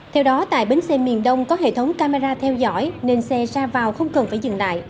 theo đó tại bến xe miền đông có hệ thống camera theo dõi nên xe ra vào không cần phải dừng lại